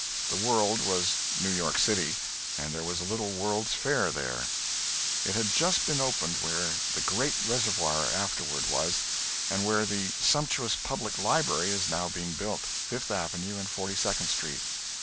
The world was New York City, and there was a little World's Fair there. It had just been opened where the great reservoir afterward was, and where the sumptuous public library is now being built Fifth Avenue and Forty second Street.